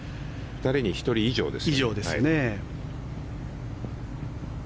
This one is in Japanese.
２人に１人以上ですね。